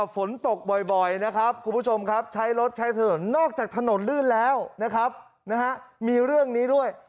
ฝนตกบ่อยนะครับคุณผู้ชมครับใช้รถใช้ถนนนอกจากถนนลื่นแล้วนะครับมีเรื่องนี้ด้วย